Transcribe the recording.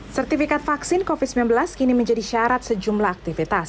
sertifikat vaksin covid sembilan belas kini menjadi syarat sejumlah aktivitas